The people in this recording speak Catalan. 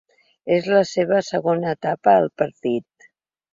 És la seva segona etapa al partit.